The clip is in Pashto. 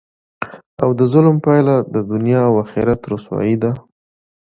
او دظلم پایله د دنیا او اخرت رسوايي ده،